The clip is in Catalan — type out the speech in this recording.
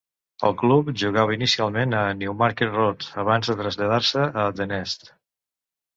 El club jugava inicialment a Newmarket Road abans de traslladar-se a The Nest.